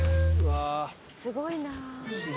すごいな。